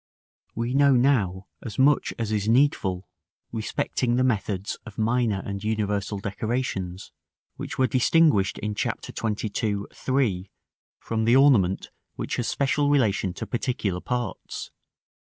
§ I. We know now as much as is needful respecting the methods of minor and universal decorations, which were distinguished in Chapter XXII., § III., from the ornament which has special relation to particular parts.